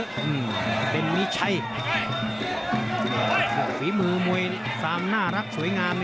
เดะหรือแม่ชัยมือมวยความน่ารักสวยงาม